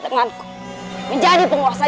jangan kanjeng ratu